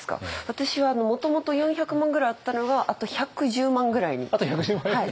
私はもともと４００万ぐらいあったのがあと１１０万ぐらいに。